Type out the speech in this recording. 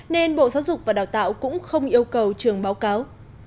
nên bộ giáo dục và đào tạo cũng không yêu cầu trường báo cáo